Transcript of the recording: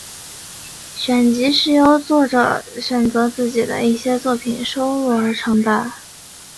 选集是由作者选择自己的一些作品收录而成的。